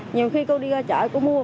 nhiều khi cô đi ra chợ cô mua